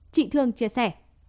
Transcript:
chị thương chia sẻ